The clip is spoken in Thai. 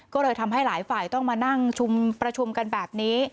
ก็เลยทำให้หลายฝ่ายต้องมานั่งชุมประชุมกันแบบนี้